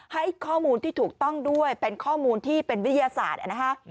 ให้ข้อมูลที่ถูกต้องด้วยเป็นข้อมูลที่เป็นวิทยาศาสตร์นะฮะ